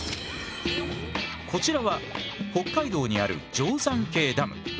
こちらは北海道にある定山渓ダム。